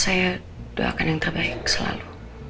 saya doakan yang terbaik selalu